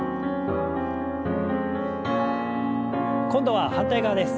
今度は反対側です。